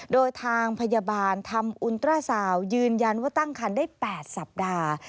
โดยทางพยาบาลทำอุณตราสาวยืนยันว่าตั้งคันได้๘สัปดาห์